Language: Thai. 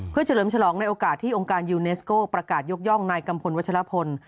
เพื่อเฉลิมฉลองในโอกาสที่องค์การยูเนสโก้ประกาศยกย่องนายกัมพลวัชลพล